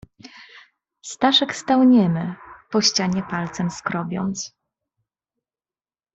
"Staszek stał niemy, po ścianie palcem skrobiąc."